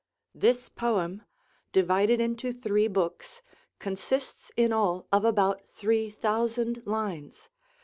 This poem, divided into three books, consists in all of about three thousand lines.